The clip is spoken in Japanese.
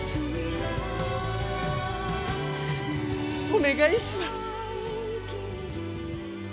お願いします。